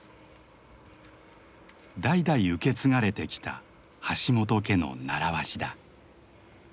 代々受け継がれてきた橋本家の習わしだ。